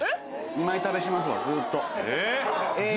２枚食べしますわずっと。